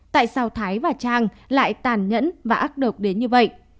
tại sao thái và trang lại tàn nhẫn và ác độc đến như vậy